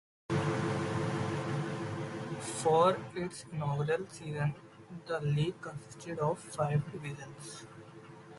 For its inaugural season, the league consisted of five divisions.